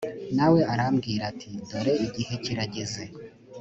na we arambwira ati dore igihe kirageze